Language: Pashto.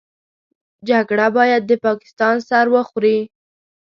جګړه بايد د پاکستان سر وخوري.